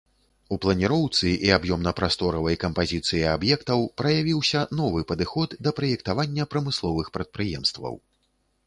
У планіроўцы і аб'ёмна-прасторавай кампазіцыі аб'ектаў праявіўся новы падыход да праектавання прамысловых прадпрыемстваў.